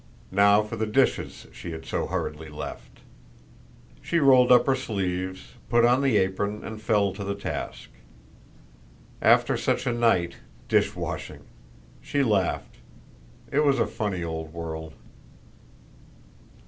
Now for the dishes she had so hurriedly left. She rolled up her sleeves, put on the apron, and fell to the task. After such a night dish washing! She laughed. It was a funny old world.